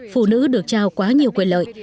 phụ nữ được trao quá nhiều quyền lợi